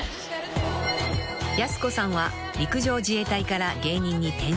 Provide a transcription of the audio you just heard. ［やす子さんは陸上自衛隊から芸人に転身］